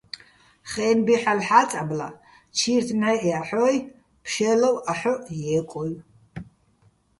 ხე́ნბი ჰ̦ალო̆ ჰ̦აწამლა, ჩირთ ნჵაჲჸ ჲაჰ̦ოჲ, ფშე́ლოვ აჰოჸ ჲე́კოჲო̆.